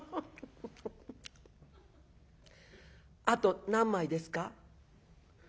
「あと何枚ですか？」。